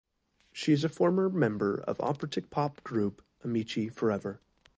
She is a former member of operatic pop group Amici Forever.